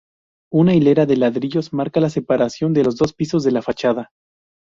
Una hilera de ladrillos marca la separación de los dos pisos de la fachada.